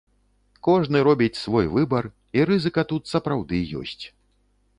Кожны робіць свой выбар, і рызыка тут сапраўды ёсць.